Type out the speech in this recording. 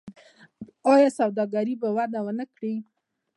آیا سوداګري به وده ونه کړي؟